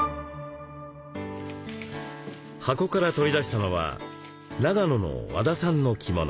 箱から取り出したのは長野の和田さんの着物。